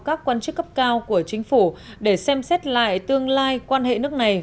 các quan chức cấp cao của chính phủ để xem xét lại tương lai quan hệ nước này